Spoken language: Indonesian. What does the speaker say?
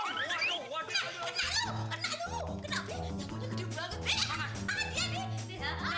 kena lo kena lo kenapa ya